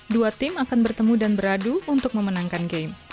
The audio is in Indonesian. dua tim akan bertemu dan beradu untuk memenangkan game